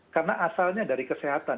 karena asalnya dari kesehatan